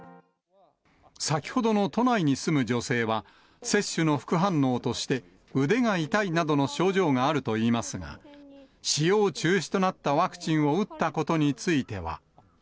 先ほどの都内に住む女性は、接種の副反応として、腕が痛いなどの症状があるといいますが、使用中止となったワクチンを打ったことについては。